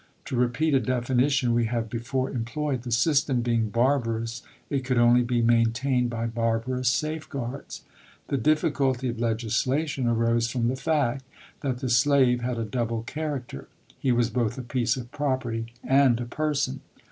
To repeat a definition we have before em ployed, the system being barbarous it could only be maintained by barbarous safeguards. The diffi culty of legislation arose from the fact that the slave had a double character. He was both a piece of property and a person.